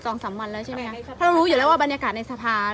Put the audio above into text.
เพราะเรารู้อยู่แล้วว่าบรรยากาศในสภา